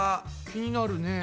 気になるね。